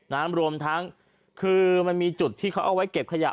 น้ำรวมทั้งมีจุดที่เขาเอาไว้เก็บขยะ